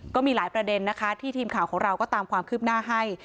ก็มีหลายประเด็นนะคะที่ทีมข่าวของเราก็ตามความคืบหน้าให้